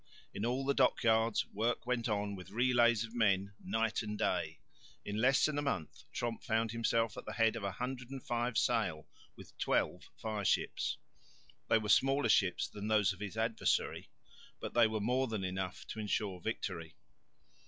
In all the dockyards work went on with relays of men night and day. In less than a month Tromp found himself at the head of 105 sail with twelve fire ships. They were smaller ships than those of his adversary, but they were more than enough to ensure victory.